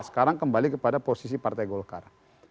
sekarang kembali kepada posisi partai golkar